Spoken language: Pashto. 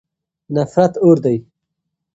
نفرت اور دی.